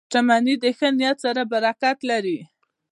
• شتمني د ښه نیت سره برکت لري.